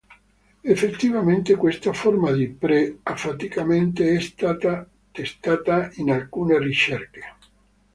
Effettivamente, questa forma di pre-affaticamento è stata testata in alcune ricerche.